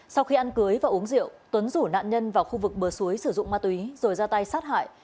sau khi ăn cưới và uống rượu tuấn rủ nạn nhân vào khu vực bờ suối sử dụng ma túy rồi ra tay sát hại